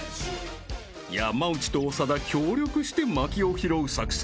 ［山内と長田協力して薪を拾う作戦］